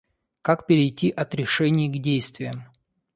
Как перейти от решений к действиям?